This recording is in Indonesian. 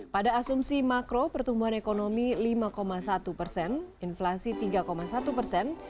pada asumsi makro pertumbuhan ekonomi lima satu persen inflasi tiga satu persen